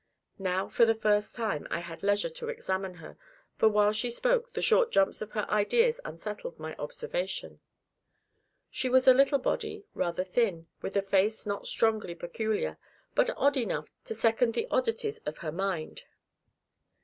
Now for the first time, I had leisure to examine her, for while she spoke, the short jumps of her ideas unsettled my observation. She was a little body, rather thin, with a face not strongly peculiar, but odd enough to second the oddities of her mind.